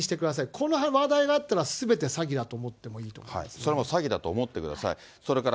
この話題があったら、すべて詐欺それも詐欺だと思ってください。